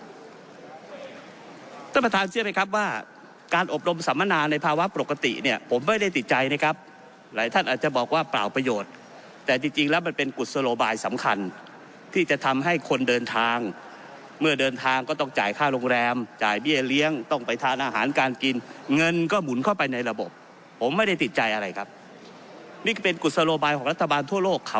ท่านประธานเชื่อไหมครับว่าการอบรมสัมมนาในภาวะปกติเนี่ยผมไม่ได้ติดใจนะครับหลายท่านอาจจะบอกว่าเปล่าประโยชน์แต่จริงแล้วมันเป็นกุศโลบายสำคัญที่จะทำให้คนเดินทางเมื่อเดินทางก็ต้องจ่ายค่าโรงแรมจ่ายเบี้ยเลี้ยงต้องไปทานอาหารการกินเงินก็หมุนเข้าไปในระบบผมไม่ได้ติดใจอะไรครับนี่ก็เป็นกุศโลบายของรัฐบาลทั่วโลก